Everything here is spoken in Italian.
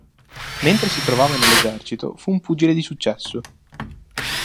Mentre si trovava nell'Esercito, fu un pugile di successo.